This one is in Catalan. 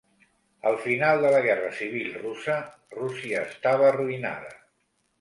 Al final de la Guerra Civil Russa, Rússia estava arruïnada.